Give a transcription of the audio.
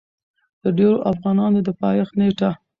د ډېرو افغانانو د پېدايښت نيټه